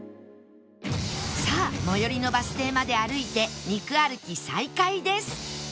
さあ最寄りのバス停まで歩いて肉歩き再開です